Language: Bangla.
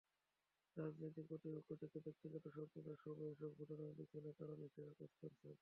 রাজনৈতিক প্রতিপক্ষ থেকে ব্যক্তিগত শত্রুতা—সবই এসব ঘটনার পেছনের কারণ হিসেবে কাজ করেছে।